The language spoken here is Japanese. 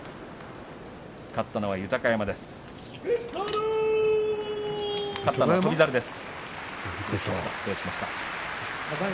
勝ったのは翔猿です。